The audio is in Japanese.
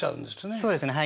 そうですねはい。